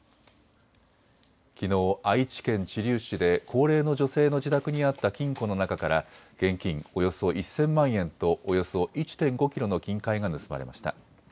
きのう愛知県知立市で高齢の女性の自宅にあった金庫の中から現金およそ１０００万円とおよそ１．５キロの金塊が盗まれました。